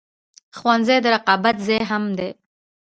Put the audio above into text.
ښوونځی د رقابت ځای هم دی